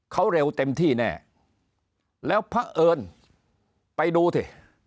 เขาเร็วเต็มที่แน่แล้วพระเอิญไปดูสิ